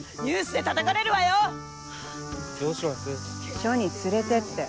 署に連れてって。